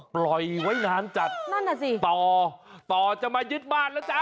ปล่อยไว้หย่านจัดต่อต่อจะมายึดบ้านแล้วจ้า